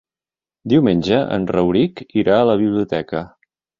Diumenge en Rauric irà a la biblioteca.